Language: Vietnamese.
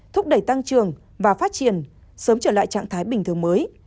thúc đẩy tăng trường và phát triển sớm trở lại trạng thái bình thường mới